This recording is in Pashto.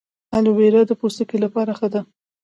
ایلوویرا د پوستکي لپاره ښه ده